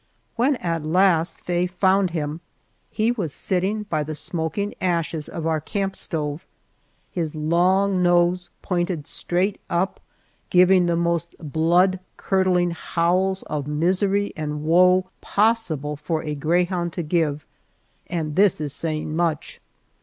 When at last Faye found him, he was sitting by the smoking ashes of our camp stove, his long nose pointed straight up, giving the most blood curdling howls of misery and woe possible for a greyhound to give, and this is saying much.